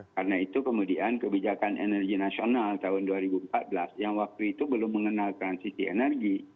karena itu kemudian kebijakan energi nasional tahun dua ribu empat belas yang waktu itu belum mengenal transisi energi